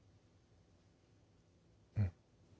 うん。